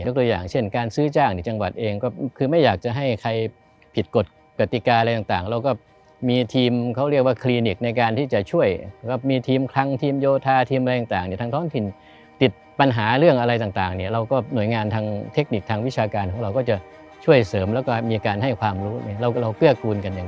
ตัวอย่างเช่นการซื้อจ้างในจังหวัดเองก็คือไม่อยากจะให้ใครผิดกฎกติกาอะไรต่างเราก็มีทีมเขาเรียกว่าคลินิกในการที่จะช่วยมีทีมคลังทีมโยธาทีมอะไรต่างเนี่ยทางท้องถิ่นติดปัญหาเรื่องอะไรต่างเนี่ยเราก็หน่วยงานทางเทคนิคทางวิชาการของเราก็จะช่วยเสริมแล้วก็มีการให้ความรู้เราเกื้อกูลกันอย่าง